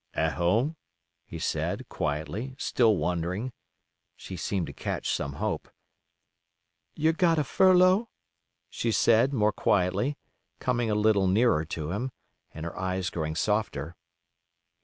"At home," he said, quietly, still wondering. She seemed to catch some hope. "Yer got a furlough?" she said, more quietly, coming a little nearer to him, and her eyes growing softer.